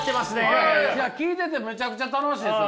聞いててめちゃくちゃ楽しいです。